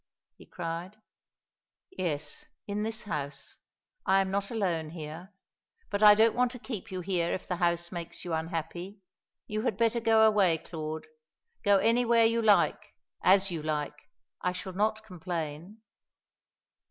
he cried. "Yes, in this house. I am not alone here. But I don't want to keep you here if the house makes you unhappy. You had better go away, Claude; go anywhere you like, as you like. I shall not complain."